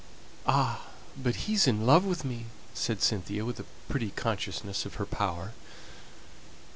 "Ah, but he's in love with me!" said Cynthia, with a pretty consciousness of her power.